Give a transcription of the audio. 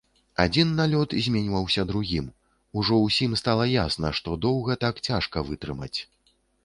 Адзін налёт зменьваўся другім, ужо ўсім стала ясна, што доўга так цяжка вытрымаць.